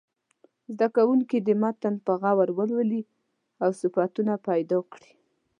زده کوونکي دې متن په غور ولولي او صفتونه پیدا کړي.